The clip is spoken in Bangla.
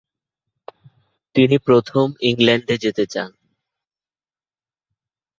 তিনি প্রথম ইংল্যান্ডে যেতে চান।